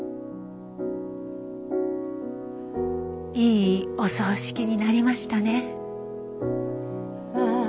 いいお葬式になりましたね。